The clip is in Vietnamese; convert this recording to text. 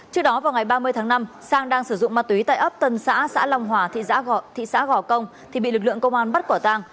trước đó vào ngày ba mươi tháng năm sang đang sử dụng ma túy tại ấp tân xã xã long hòa thị xã thị xã gò công thì bị lực lượng công an bắt quả tàng